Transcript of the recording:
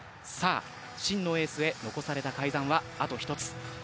さあ、真のエースへ残された階段はあと一つ。